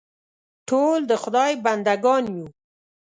ټول د خدای بندهګان یو.